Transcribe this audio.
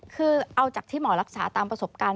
คือเอาจากที่หมอรักษาตามประสบการณ์